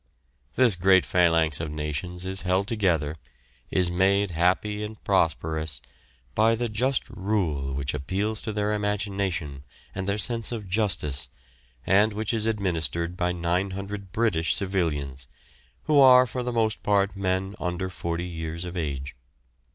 This great phalanx of nations is held together, is made happy and prosperous, by the just rule which appeals to their imagination and their sense of justice, and which is administered by 900 British civilians, who are for the most part men under 40 years of age.